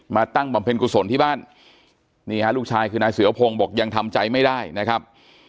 ตั้งบำเพ็ญกุศลที่บ้านนี่ฮะลูกชายคือนายเสือพงศ์บอกยังทำใจไม่ได้นะครับ